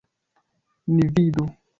Ni vidu!